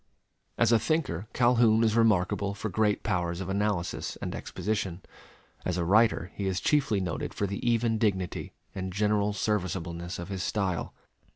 As a thinker Calhoun is remarkable for great powers of analysis and exposition. As a writer he is chiefly noted for the even dignity and general serviceableness of his style.